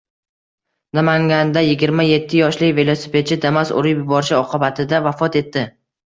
Namangandayigirma yettiyoshli velosipedchi Damas urib yuborishi oqibatida vafot etdi